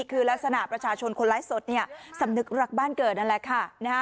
คือลักษณะประชาชนคนไลฟ์สดเนี่ยสำนึกรักบ้านเกิดนั่นแหละค่ะ